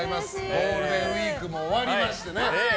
ゴールデンウィークも終わりましてね。